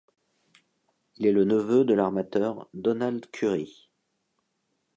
Il est le neveu de l'armateur Donald Currie.